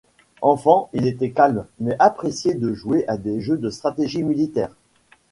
Enfant, il était calme mais appréciait de jouer à des jeux de stratégie militaire.